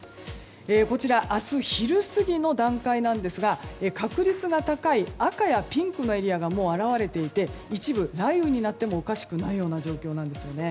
こちら明日昼過ぎの段階なんですが確率が高い赤やピンクのエリアがもう現れていて一部雷雨になってもおかしくない状況です。